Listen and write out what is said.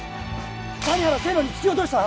谷原線路に突き落とした？